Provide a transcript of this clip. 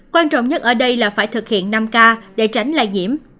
quan trọng nhất ở đây là phải thực hiện năm ca để tránh lại nhiễm